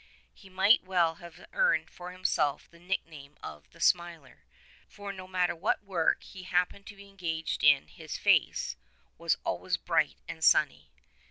He might well have earned for himself the nickname of The Smiler, for no matter what work he happened to be engaged in his face was always bright and sunny.